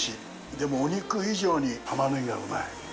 でも、お肉以上に玉ねぎがうまい！